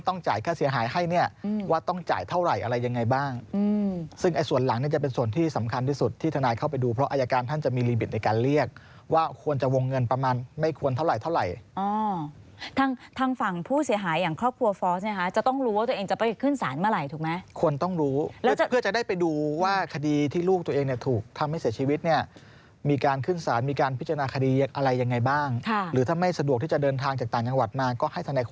ทางฝั่งผู้เสียหายอย่างครอบครัวฟอร์สเนี้ยฮะจะต้องรู้ว่าตัวเองจะไปขึ้นศาลเมื่อไหร่ถูกไหมควรต้องรู้แล้วจะเพื่อจะได้ไปดูว่าคดีที่ลูกตัวเองเนี้ยถูกทำให้เสียชีวิตเนี้ยมีการขึ้นศาลมีการพิจารณาคดีอะไรยังไงบ้างค่ะหรือถ้าไม่สะดวกที่จะเดินทางจากต่างจังหวัดมาก็ให้สนัยค